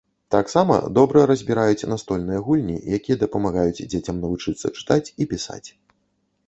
Таксама добра разбіраюць настольныя гульні, якія дапамагаюць дзецям навучыцца чытаць і пісаць.